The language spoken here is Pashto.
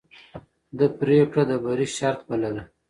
ده پرېکړه د بری شرط بلله.